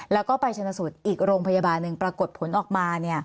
แล้วก็ไปชนสูตรอีกโรงพยาบาลหนึ่งปรากฏผลออกมา